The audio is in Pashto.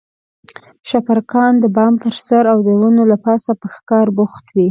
شپرکان د بام پر سر او د ونو له پاسه په ښکار بوخت وي.